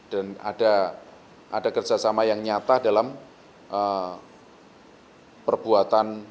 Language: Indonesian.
dan ada kerjasama yang nyata dalam perbuatan